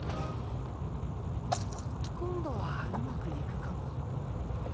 今度はうまくいくかも。